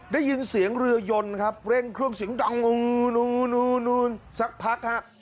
ได้ยินเสียงเรือยนครับเร่งเครื่องเสียงดังโน้นโน้นโน้นสักพักครับ